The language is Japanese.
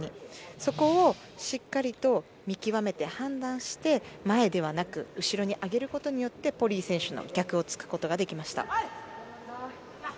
そこをしっかりと見極めて判断して前ではなく後ろに上げることによってポリイ選手の逆を突くことができました。